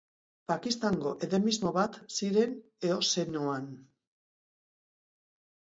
Pakistango endemismo bat ziren Eozenoan.